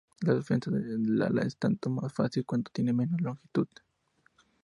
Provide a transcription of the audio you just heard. La defensa del ala es tanto más fácil, cuanto tiene menos longitud.